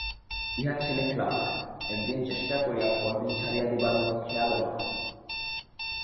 ইহা ছেলেখেলা নয়, একদিন চেষ্টা করিয়া পরদিন ছাড়িয়া দিবার মত খেয়ালও নয়।